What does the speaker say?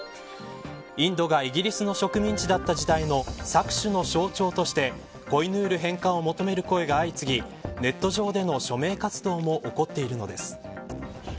インドがイギリスの植民地だった時代の搾取の象徴としてコイヌール返還を求める声が相次ぎネット上での署名活動も起こっているのです。